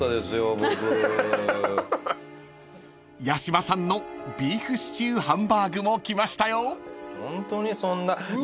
［八嶋さんのビーフシチューハンバーグも来ましたよ］